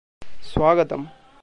स्वागतम्।